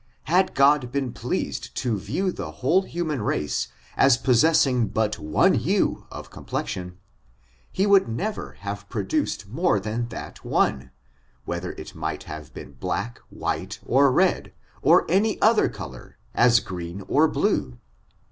Had (3od been pleased to viet^ the whole hti*' man race as possessing but one hue of comfdexioni he never wonld have produced more than that one, whether it might have been black, white, or red, or any other color, as green or bine.